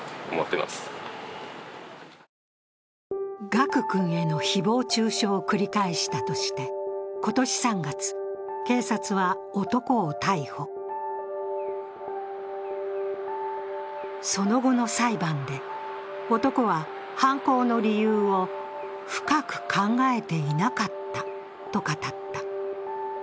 賀久君への誹謗中傷を繰り返したとして、今年３月、警察は男を逮捕その後の裁判で、男は犯行の理由を深く考えていなかったと語った。